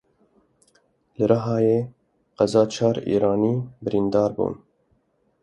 Li Rihayê qeza çar Îranî birîndar bûn.